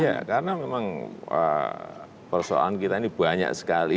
ya karena memang persoalan kita ini banyak sekali